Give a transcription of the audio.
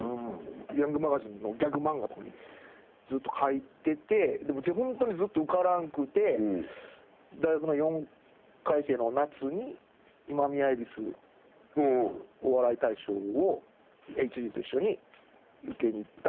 『ヤングマガジン』のギャグ漫画とかにずっと描いててでもホントにずっと受からんくて大学の４回生の夏に今宮戎お笑い大賞をＨＧと一緒に受けに行ったら。